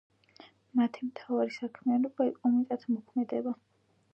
მათი მთავარი საქმიანობა იყო მიწათმოქმედება.